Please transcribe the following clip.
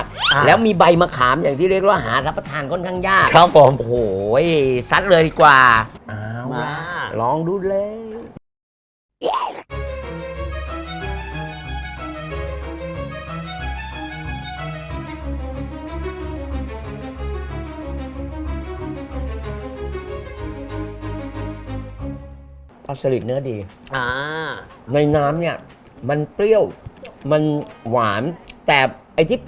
เพราะฉะนั้นการเปิดแมท